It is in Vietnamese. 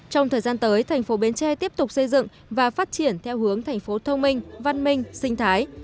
trong thời gian tới thành phố bến tre tiếp tục xây dựng và phát triển theo hướng thành phố thông minh văn minh sinh thái